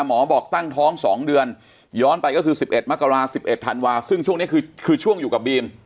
หมอบอกตั้งท้อง๒เดือนย้อนไปก็คือ๑๑มกรา๑๑ธันวาซึ่งช่วงนี้คือช่วงอยู่กับบีม